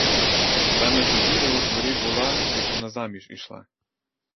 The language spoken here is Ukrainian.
Саме тоді я у дворі була, як вона заміж ішла.